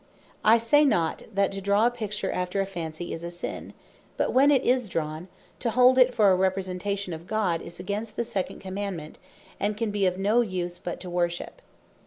I say not, that to draw a Picture after a fancy, is a Sin; but when it is drawn, to hold it for a Representation of God, is against the second Commandement; and can be of no use, but to worship.